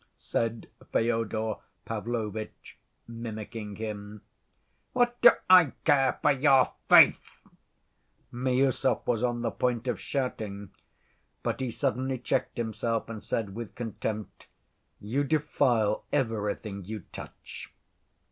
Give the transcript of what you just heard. said Fyodor Pavlovitch, mimicking him. "What do I care for your faith?" Miüsov was on the point of shouting, but he suddenly checked himself, and said with contempt, "You defile everything you touch."